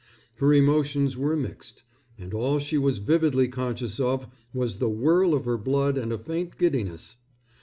Her emotions were mixed, and all she was vividly conscious of was the whirl of her blood and a faint giddiness.